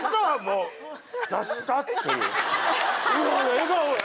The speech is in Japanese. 「笑顔や！」